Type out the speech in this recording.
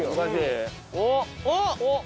おっ！